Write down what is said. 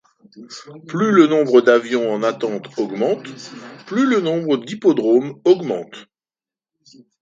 Plus le nombre d'avions en attente augmente, plus le nombre d'hippodromes augmente.